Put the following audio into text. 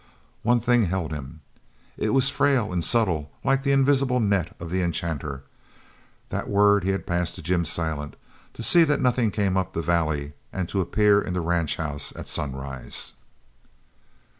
One thing held him. It was frail and subtle like the invisible net of the enchanter that word he had passed to Jim Silent, to see that nothing came up the valley and to appear in the ranch house at sunrise.